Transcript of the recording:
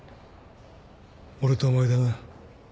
俺とお前でな